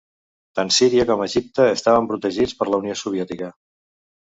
Tant Síria com Egipte estaven protegits per la Unió Soviètica.